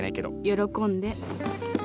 喜んで。